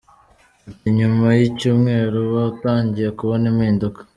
Ati “Nyuma y’icyumweru uba utangiye kubona impinduka.